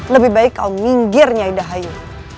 lebih baik kau minggir nyai dahayu